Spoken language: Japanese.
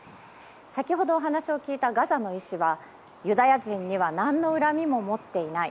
先ほど、お話を聞いたガザの医師はユダヤ人には何の恨みも持っていない。